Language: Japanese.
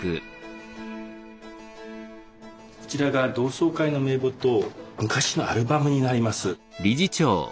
こちらが同窓会の名簿と昔のアルバムになります。